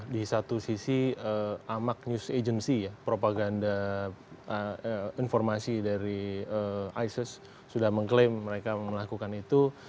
di satu sisi amak news agency ya propaganda informasi dari isis sudah mengklaim mereka melakukan itu